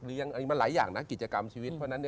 เลี้ยงอันนี้มันหลายอย่างนะกิจกรรมชีวิตเพราะฉะนั้น